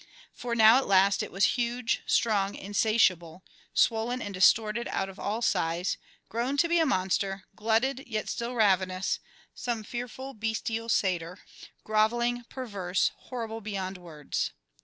For now at last it was huge, strong, insatiable, swollen and distorted out of all size, grown to be a monster, glutted yet still ravenous, some fearful bestial satyr, grovelling, perverse, horrible beyond words.